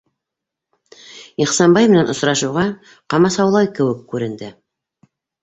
Ихсанбай менән осрашыуға ҡамасаулай кеүек күренде.